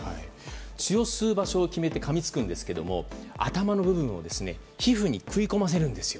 血を吸う場所を決めてかむんですが頭の部分を皮膚に食い込ませるんですよ。